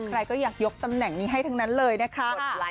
ใครก็อยากยกตำแหน่งนี้ให้ทั้งนั้นเลยนะคะ